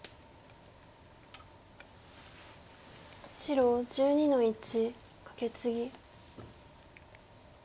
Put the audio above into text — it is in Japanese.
白１２の一カケツギ。